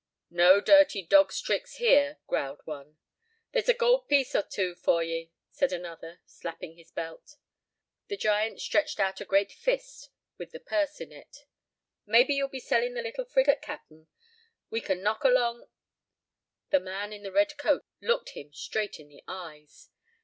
"No dirty dog's tricks here," growled one. "There's a gold piece or two for ye," said another, slapping his belt. The giant stretched out a great fist with the purse in it. "Maybe you'll be selling the little frigate, capt'n; we can knock along—" The man in the red coat looked him straight in the eyes.